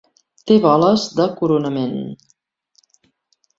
Té boles de coronament.